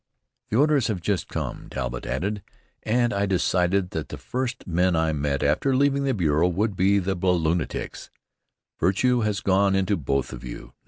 "The orders have just come," Talbott added, "and I decided that the first men I met after leaving the bureau would be balloonatics. Virtue has gone into both of you.